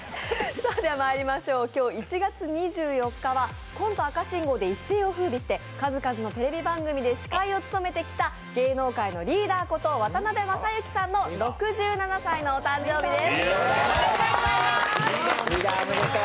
今日１月２４日はコント赤信号で一世をふうびして数々のテレビ番組で司会を務めてきた芸能界のリーダーこと渡辺正行さんの６７歳のお誕生日です。